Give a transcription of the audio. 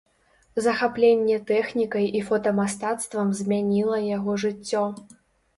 Захапленне тэхнікай і фотамастацтвам змяніла яго жыццё.